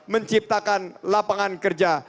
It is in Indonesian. menciptakan lapangan kerja